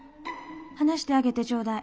離してあげてちょうだい。